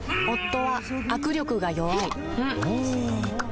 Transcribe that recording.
夫は握力が弱い